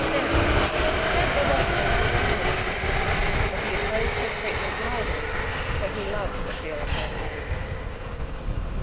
Now, don't rub off them liddle 'an's.' But he opposed her treatment mildly, for he loved the feel of her hands.